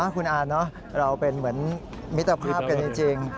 คุณอาเราเป็นเหมือนมิตรภาพกันจริง